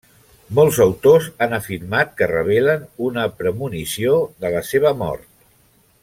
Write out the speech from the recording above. Molts autors han afirmat que revelen una premonició de la seva mort.